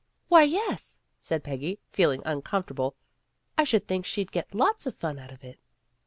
'' ''Why, yes," said Peggy, feeling uncomfor table. "I should think she'd get lots of fun out of it."